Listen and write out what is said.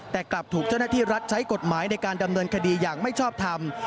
แต่กลับถูกเจ้าหน้าที่รัฐใช้กฎหมายในการดำเนินคดีอย่างไม่ชอบทำ